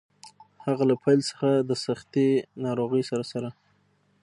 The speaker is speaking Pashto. هغه له پیل څخه د سختې ناروغۍ سره سره.